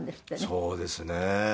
そうですね。